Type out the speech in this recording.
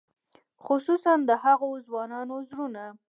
خصوصاً د هغو ځوانانو زړونه.